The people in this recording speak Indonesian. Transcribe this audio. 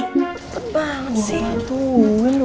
gua galak banget sih